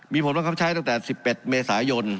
มีผลบังคับใช้ตั้งแต่๑๑เมษายน